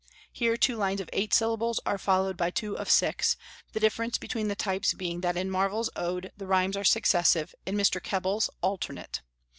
Here two lines of eight syllables are followed by two of six, the difference between the types being that in Marvel's Ode the rhymes are successive, in Mr. Keble's alternate.